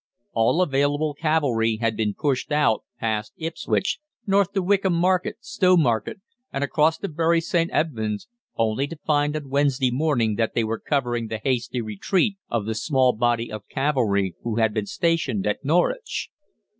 All available cavalry had been pushed out past Ipswich, north to Wickham Market, Stowmarket, and across to Bury St. Edmunds, only to find on Wednesday morning that they were covering the hasty retreat of the small body of cavalry who had been stationed at Norwich.